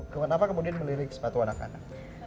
kenapa kemudian melirik sepatu anak anak